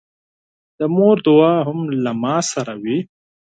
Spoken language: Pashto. د مور دعا هم له ما سره وي.